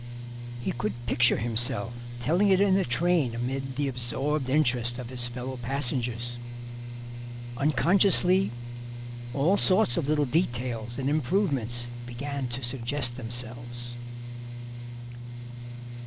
He could picture himself telling it in the train amid the absorbed interest of his fellow passengers. Unconsciously all sorts of little details and improvements began to suggest themselves.